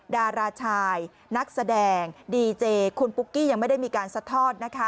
ดาราชายนักแสดงดีเจคุณปุ๊กกี้ยังไม่ได้มีการซัดทอดนะคะ